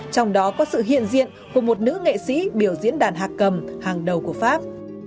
trong đó có sự hiện diện của một nữ nghệ sĩ biểu diễn đàn hạc cầm hàng đầu của pháp